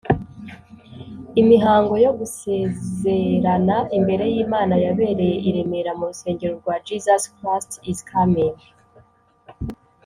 Imihango yo gusezerana imbere y’Imana yabereye i Remera mu rusengero rwa Jesus Christ is Coming